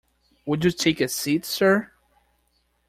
Would you take a seat, sir?